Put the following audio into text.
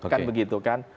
kan begitu kan